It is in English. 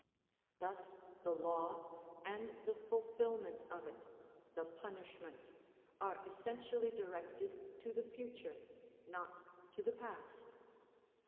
Thus the law and the fulfilment of it, the punishment, are essentially directed to the future, not to the past.